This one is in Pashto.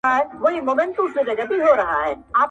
زاړه کيسې بيا راژوندي کيږي تل،